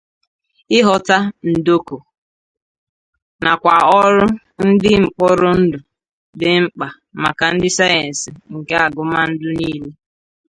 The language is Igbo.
Ịghọta ndokọ nakwa ọrụ ndị mkpụrụndụ dị mkpa maka ndị sayensị nke-agụmandụ niile.